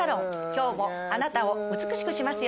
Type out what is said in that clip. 今日もあなたを美しくしますよ。